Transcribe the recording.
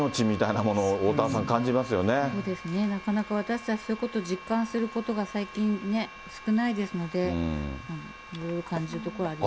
なかなか私たち、そういうことを実感することが最近ね、少ないですので、いろいろ感じるところはありますね。